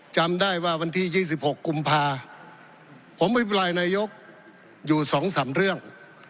จำได้ว่าวันที่๒๖กุมภาผมอภิปรายนายกอยู่๒๓เรื่อง